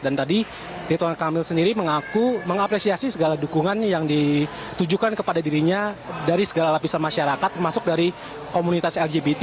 dan tadi ridwan kamil sendiri mengaku mengapresiasi segala dukungan yang ditujukan kepada dirinya dari segala lapisan masyarakat termasuk dari komunitas lgbt